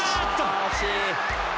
惜しい。